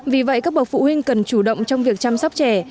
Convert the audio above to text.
vì vậy các bậc phụ huynh cần chủ động trong việc chăm sóc trẻ